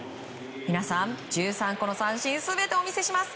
皆さん、１３個の三振全てお見せします。